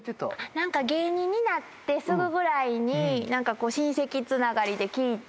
何か芸人になってすぐぐらいに何かこう親戚つながりで聞いて。